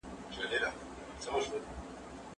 بې کاري ذهني فشار زیاتوي.